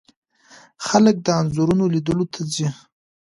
خلک د انځورونو لیدلو ته ځي.